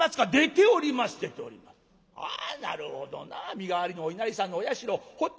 身代わりのお稲荷さんのお社をほったらかし。